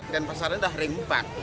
denpasar ini adalah ring empat